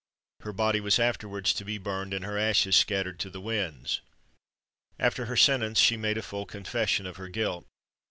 Her body was afterwards to be burned, and her ashes scattered to the winds. After her sentence, she made a full confession of her guilt.